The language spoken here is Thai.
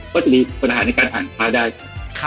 ก็จะมีปัญหานางการอ่างค้าได้ครับ